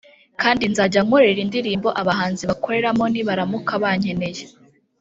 kandi nzajya nkorera indirimbo abahanzi bakoreramo nibaramuka bankeneye